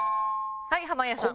はい濱家さん。